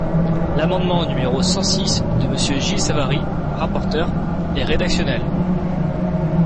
L’amendement numéro cent six de Monsieur Gilles Savary, rapporteur, est rédactionnel.